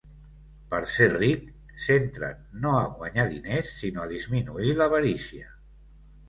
Per ser ric, centra't no a guanyar diners, sinó a disminuir l'avarícia.